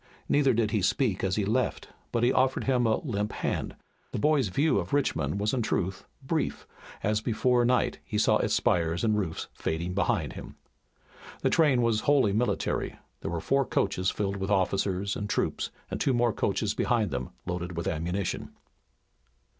Neither did he speak when he left, but he offered him a limp hand. The boy's view of Richmond was in truth brief, as before night he saw its spires and roofs fading behind him. The train was wholly military. There were four coaches filled with officers and troops, and two more coaches behind them loaded with ammunition.